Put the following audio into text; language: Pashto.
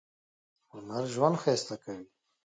هنر ژوند ښایسته کوي